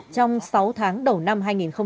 trong sáu tháng đầu năm hai nghìn một mươi chín